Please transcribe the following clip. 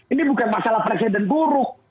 ini bukan masalah presiden buruk